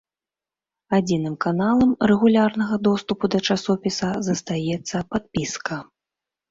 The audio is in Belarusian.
Адзіным каналам рэгулярнага доступу да часопіса застаецца падпіска.